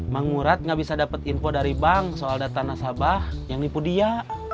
mang murad gak bisa dapet info dari bang soal data nasabah yang nipu dia